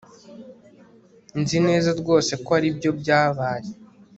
Nzi neza rwose ko aribyo byabaye